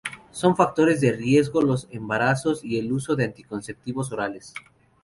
Son factores de riesgo los embarazos y el uso de anticonceptivos orales.